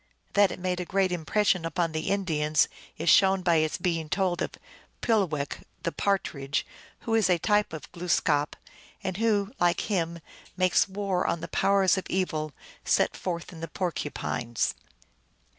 That it made a great impression upon the Indians is shown by its being told of Pulewech, the Partridge, who is a type of Glooskap, and who, like him, makes war on the powers of evil, set forth in the Porcupines.